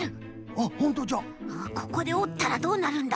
ここでおったらどうなるんだ？